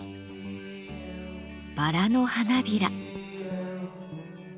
バラの花びら。